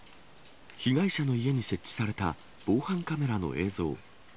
被害者の家に設置された防犯カメラの映像。